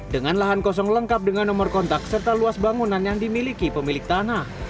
dengan lahan kosong lengkap dengan nomor kontak serta luas bangunan yang dimiliki pemilik tanah